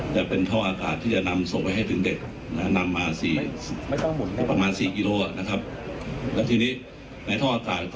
ท่ออากาศที่จะนำส่งมาให้ถึงเด็กนำมา๔ครึ่งนะครับ